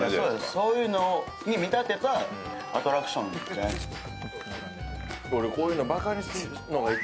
そういうのに見立てたアトラクションですね。